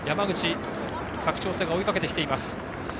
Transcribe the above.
佐久長聖の山口が追いかけてきています。